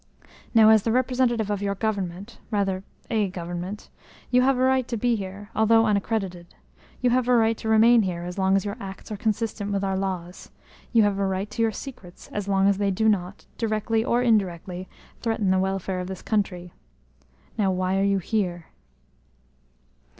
Now as the representative of your government rather a government you have a right to be here, although unaccredited; you have a right to remain here as long as your acts are consistent with our laws; you have a right to your secrets as long as they do not, directly or indirectly, threaten the welfare of this country. Now, why are you here?"